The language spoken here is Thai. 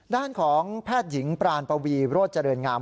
ด้านของแพทย์หญิงปรานปวีโรธเจริญงาม